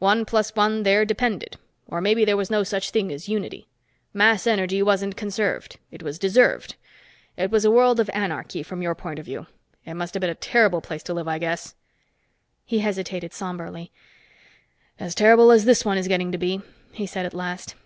One plus one there depended or maybe there was no such thing as unity. Mass energy wasn't conserved. It was deserved. It was a world of anarchy, from your point of view. It must have been a terrible place to live, I guess." He hesitated somberly. "As terrible as this one is getting to be," he said at last.